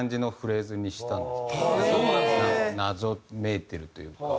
謎めいてるというか。